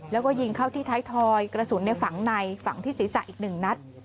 แล้วก็ยิงเข้าที่ท้ายทอยกระสุนฝังในฝังที่ศีรษะอีกหนึ่งนัด